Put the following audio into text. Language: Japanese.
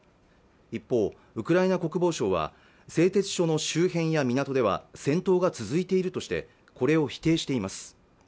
一方ウクライナ国防省は製鉄所の周辺や港では戦闘が続いているとしてこれを否定しています